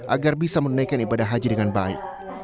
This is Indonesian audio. agar bisa menunaikan ibadah haji dengan baik